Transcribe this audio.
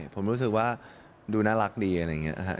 ผมรู้สึกว่าดูน่ารักดีอะไรอย่างนี้